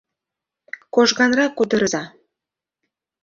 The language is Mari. Кожганрак удырыза!